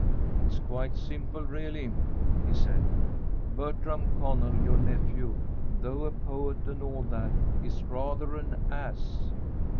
"It's quite simple really," he said. "Bertram Connell, your nephew, though a poet and all that, is rather an ass."